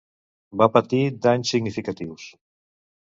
Va patir danys significatius.